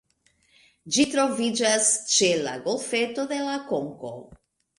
Ĝi troviĝas ĉe la Golfeto de La Konko.